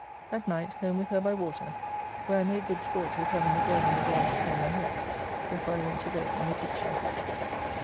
At night home with her by water, where I made good sport with having the girl and the boy to comb my head, before I went to bed, in the kitchen.